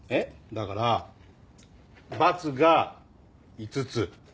だからバツが５つ。